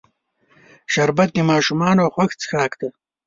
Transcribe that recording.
شربت د ماشومانو خوښ څښاک دی